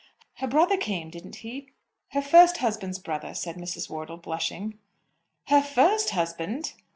Her brother came; didn't he?" "Her first husband's brother," said Mrs. Wortle, blushing. "Her first husband!"